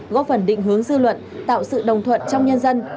góp phần định hướng dư luận tạo sự đồng thuận trong nhân dân